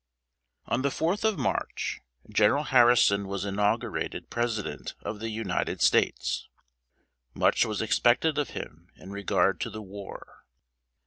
] On the fourth of March, General Harrison was inaugurated President of the United States. Much was expected of him in regard to the war.